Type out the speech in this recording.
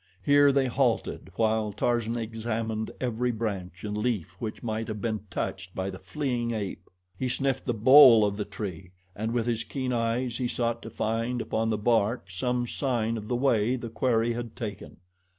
Here they halted, while Tarzan examined every branch and leaf which might have been touched by the fleeing ape. He sniffed the bole of the tree, and with his keen eyes he sought to find upon the bark some sign of the way the quarry had taken.